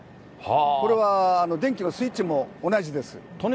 これは電気のスイッチも同じです。